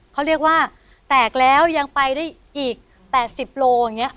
เขาเรียกว่าแตกแล้วยังไปได้อีก๘๐โลอย่างนี้